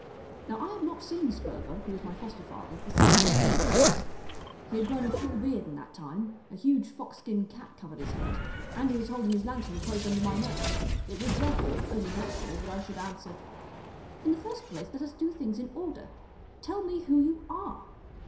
Now I had not seen Sperver, who was my foster father, for sixteen years; he had grown a full beard in that time, a huge fox skin cap covered his head, and he was holding his lantern close under my nose. It was, therefore, only natural that I should answer "In the first place let us do things in order. Tell me who you are."